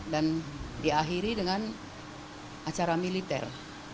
dan diakhiri dengan acara militer